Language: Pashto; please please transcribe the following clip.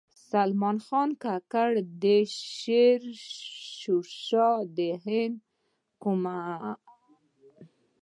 سلیمان خان کاکړ د شیر شاه سوري د هند کومندان و